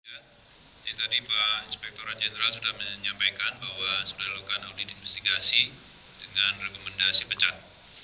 jadi tadi pak inspektorat jenderal sudah menyampaikan bahwa sudah dilakukan audit investigasi dengan rekomendasi pecat